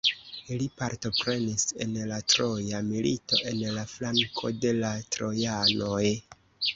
Li partoprenis en la Troja Milito en la flanko de la trojanoj.